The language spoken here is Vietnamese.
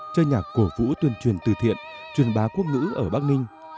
cho nhạc cổ vũ tuyên truyền từ thiện truyền bá quốc ngữ ở bắc ninh